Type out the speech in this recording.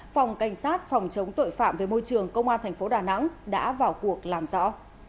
phòng cảnh sát phòng chống tội phạm về môi trường công an thành phố đà nẵng đã vào cuộc làm rõ